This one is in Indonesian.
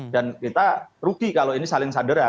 dan kita rugi kalau ini saling sandera